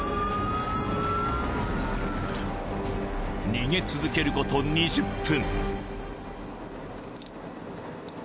［逃げ続けること２０分］